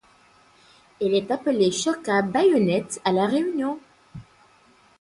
Elle est appelée choka baïonnette à La Réunion.